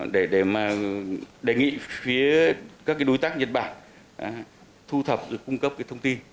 để đề nghị phía các đối tác nhật bản thu thập và cung cấp thông tin